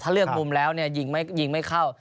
ถ้าเลือกมุมแล้วเนี่ยยิงไม่เข้า